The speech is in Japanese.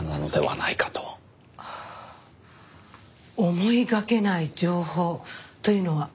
思いがけない情報というのは？